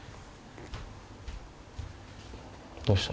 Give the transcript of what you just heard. どうした？